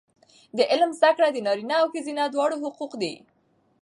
د علم زده کړه د نارینه او ښځینه دواړو حق دی.